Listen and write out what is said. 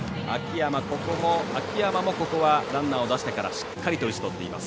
秋山も、ここはランナーを出してからしっかりと打ちとっています。